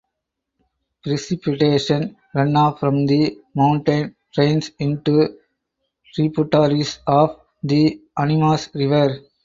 Precipitation runoff from the mountain drains into tributaries of the Animas River.